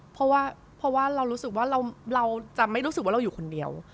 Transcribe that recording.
เพราะว่าเรารู้สึกว่าเราจะไม่รู้สึกว่าเราอยู่คนเดียว